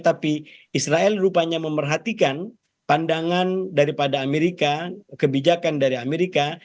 tapi israel rupanya memerhatikan pandangan daripada amerika kebijakan dari amerika